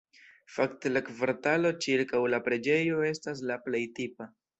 Fakte la kvartalo ĉirkaŭ la preĝejo estas la plej tipa.